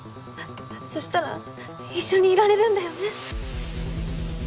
そしたら一緒にいられるんだよね？